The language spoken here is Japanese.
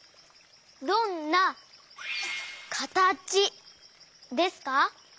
どんなかたちですか？